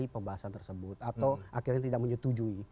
tidak ada kebiasaan tersebut atau akhirnya tidak menyetujui